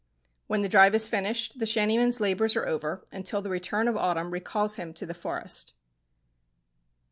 When the drive is finished the shantyman's labours are over, until the return of autumn recalls him to the forest.